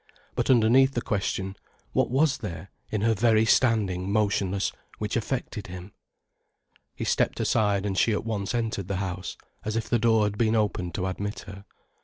But underneath the question, what was there, in her very standing motionless, which affected him? He stepped aside and she at once entered the house, as if the door had been opened to admit her.